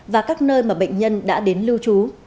và các nơi mà bệnh nhân đã đến lưu trú